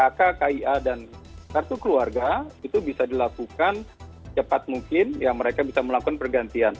namun kami jelaskan bahwa untuk di dinas dukcapil kk kia dan kartu keluarga itu bisa dilakukan cepat mungkin ya mereka bisa melakukan pergantian